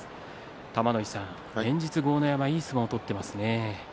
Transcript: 玉ノ井さん、連日豪ノ山いい相撲を取っていますね。